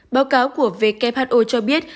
báo cáo của who cho biết